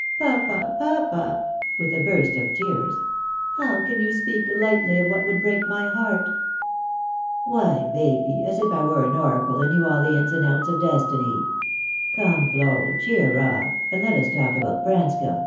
" Papa, papa !" with a burst of tears, " how can you speak lightly of what would break my heart !"" Why, Baby ! as if I were an oracle, and knew all the ins and outs of destiny. Come, Flo, cheer up, and let us talk about Branscomb.